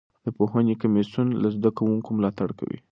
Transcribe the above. د پوهنې کمیسیون له زده کوونکو ملاتړ کوي.